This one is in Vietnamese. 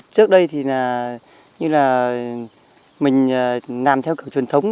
trước đây mình làm theo kiểu truyền thống